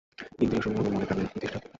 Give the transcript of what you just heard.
ইন্দ্রিয়সমূহে এবং মনে কামের অধিষ্ঠান।